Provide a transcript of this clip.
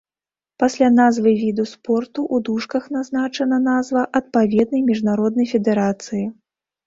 Пасля назвы віду спорту ў дужках назначана назва адпаведнай міжнароднай федэрацыі.